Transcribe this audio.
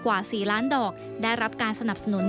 กว่า๔ล้านดอกได้รับการสนับสนุน